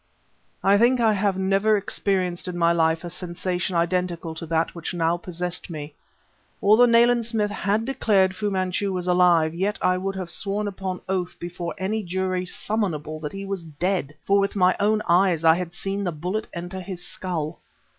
_ I think I have never experienced in my life a sensation identical to that which now possessed me. Although Nayland Smith had declared that Fu Manchu was alive, yet I would have sworn upon oath before any jury summonable that he was dead; for with my own eyes I had seen the bullet enter his skull.